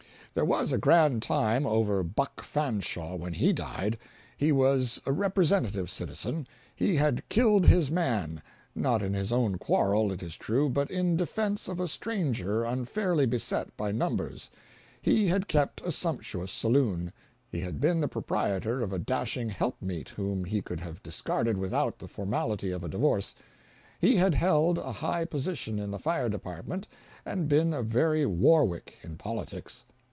There was a grand time over Buck Fanshaw when he died. He was a representative citizen. He had "killed his man"—not in his own quarrel, it is true, but in defence of a stranger unfairly beset by numbers. He had kept a sumptuous saloon. He had been the proprietor of a dashing helpmeet whom he could have discarded without the formality of a divorce. He had held a high position in the fire department and been a very Warwick in politics.